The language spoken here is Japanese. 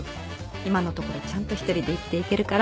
今のところちゃんと一人で生きていけるから。